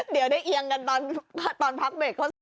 เดี๋ยวได้เอียงกันตอนพักเบรกโฆษณ